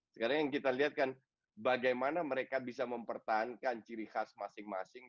sekarang yang kita lihat kan bagaimana mereka bisa mempertahankan ciri khas masing masing